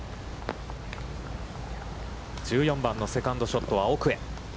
１４番のセカンドショットは奥へ。